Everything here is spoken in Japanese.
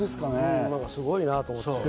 すごいなと思って。